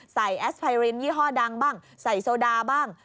แอสไพรินยี่ห้อดังบ้างใส่โซดาบ้าง